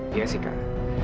iya sih kak